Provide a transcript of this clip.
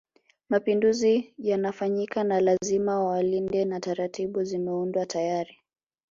Mapinduzi yanafanyika na lazima wawalinde na taratibu zimeundwa tayari